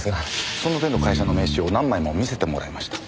その手の会社の名刺を何枚も見せてもらいました。